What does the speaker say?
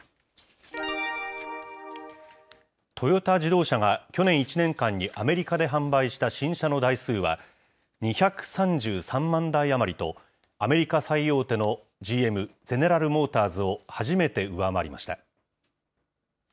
トヨタ自動車が、去年１年間にアメリカで販売した新車の台数は２３３万台余りと、アメリカ最大手のＧＭ・ゼネラル・モーターズを初めて上回りました。